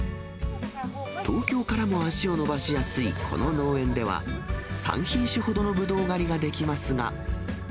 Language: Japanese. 東京からも足を伸ばしやすいこの農園では、３品種ほどのブドウ狩りができますが。